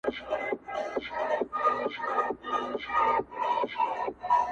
د حلوا په ويلو خوله نه خوږه کېږي.